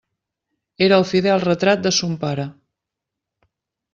Era el fidel retrat de son pare.